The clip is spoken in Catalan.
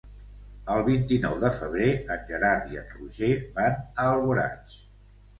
El vint-i-nou de febrer en Gerard i en Roger van a Alboraig.